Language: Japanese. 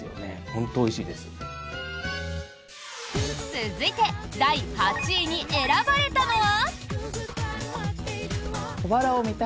続いて第８位に選ばれたのは。